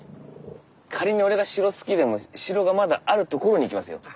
仮に俺が城好きでも城がまだあるところに行きますよ。